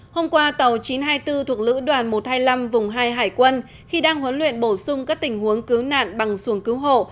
hôm qua tàu chín trăm hai mươi bốn thuộc lữ đoàn một trăm hai mươi năm vùng hai hải quân khi đang huấn luyện bổ sung các tình huống cứu nạn bằng xuồng cứu hộ